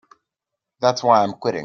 That's why I'm quitting.